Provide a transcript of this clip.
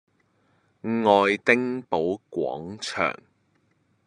愛丁堡廣場